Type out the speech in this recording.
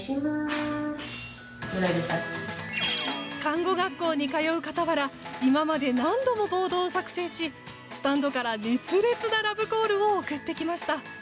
看護学校に通う傍ら今まで何度もボードを作成しスタンドから熱烈なラブコールを送ってきました。